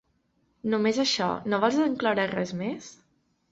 Només això, no vols incloure res més?